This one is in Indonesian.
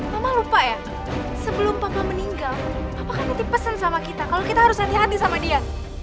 mama lupa ya sebelum papa meninggal apakah nanti pesan sama kita kalau kita harus hati hati sama dia